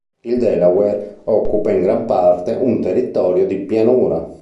Il Delaware occupa in gran parte un territorio di pianura.